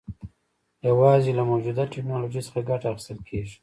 یوازې له موجوده ټکنالوژۍ څخه ګټه اخیستل کېږي.